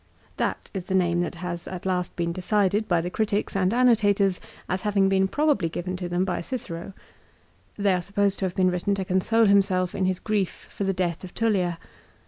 That is the name that has at last been decided by the critics and anno tators as having been probably given to them by Cicero. They are supposed to have been written to console himself in his grief for the death of Tullia.